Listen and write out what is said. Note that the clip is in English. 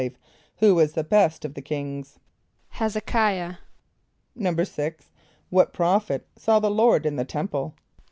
= Who was the best of the kings? =H[)e]z e k[=i]´ah.= =6.= What prophet saw the Lord in the temple?